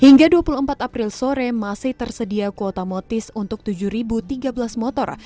hingga dua puluh empat april sore masih tersedia kuota motis untuk tujuh tiga belas motor